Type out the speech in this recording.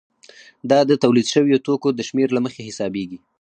دا د تولید شویو توکو د شمېر له مخې حسابېږي